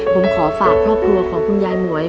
ผมขอฝากครอบครัวของคุณยายหมวย